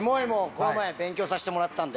この前勉強させてもらったんで。